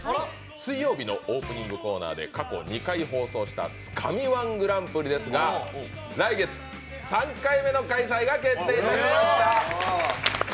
水曜日のオープニングコーナーで過去２回放送した「つかみ−１グランプリ」ですが来月、３回目の開催が決定いたしました。